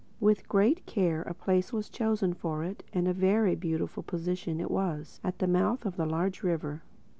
With great care a place was chosen for it—and a very beautiful position it was, at the mouth of a large river.